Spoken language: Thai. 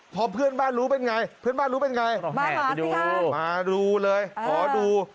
พอเพื่อนบ้านรู้เป็นไงเพื่อนบ้านรู้เป็นไงไปดูมาดูเลยขอดู